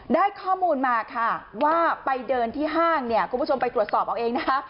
ได้ข้อมูลมาค่ะว่าไปเดินที่ห้างเนี่ยคุณผู้ชมไปตรวจสอบเอาเองนะคะ